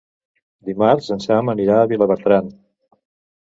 Dimarts en Sam anirà a Vilabertran.